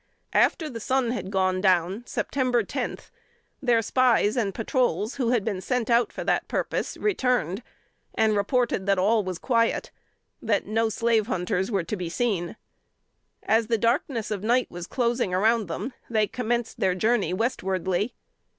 After the sun had gone down (Sept. 10), their spies and patrols, who had been sent out for that purpose, returned, and reported that all was quiet; that no slave hunters were to be seen. As the darkness of night was closing around them, they commenced their journey westwardly.